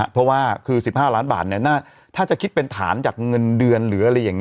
เพราะว่าคือ๑๕ล้านบาทถ้าจะคิดเป็นฐานจากเงินเดือนหรืออะไรอย่างนี้